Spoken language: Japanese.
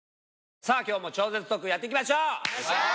さぁ今日も超絶特訓やっていきましょう。